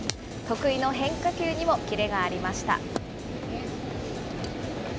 得意の変化球にもキレがありました。